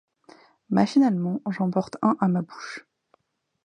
Machinalement, j’en porte un à ma bouche.